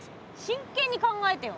真剣に考えてよ！